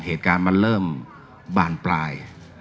เหตุการณ์มันเริ่มบานปลาย